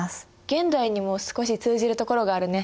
現代にも少し通じるところがあるね。